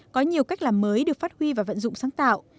có nhiều cách làm mới được phát huy và vận dụng sáng tạo